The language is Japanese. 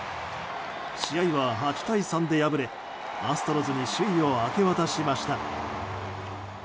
試合は８対３で敗れアストロズに首位を明け渡しました。